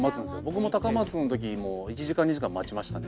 僕も高松の時にもう１時間２時間待ちました。